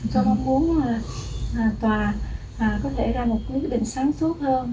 tôi mong muốn tòa có thể ra một quyết định sáng suốt hơn